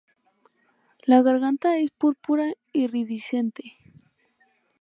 La garganta es púrpura iridiscente.